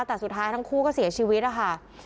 แต่สุดท้ายทั้งคู่ก็เสียชีวิตนะคะ